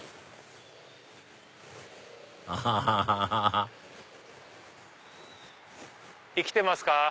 アハハハハ生きてますか？